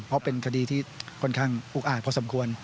เพราะเป็นคดีที่ค่อนข้างอุกอาจพอสมควร